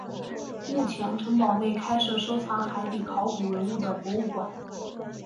目前城堡内开设收藏海底考古文物的博物馆。